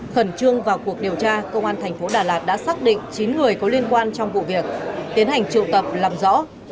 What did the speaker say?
khẩn trương vào cuộc điều tra công an thành phố đà lạt đã xác định chín người có liên quan trong vụ việc tiến hành triệu tập làm rõ